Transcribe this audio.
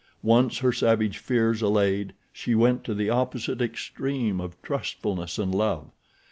Once her savage fears allayed, she went to the opposite extreme of trustfulness and love.